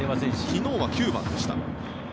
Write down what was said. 昨日は９番でした。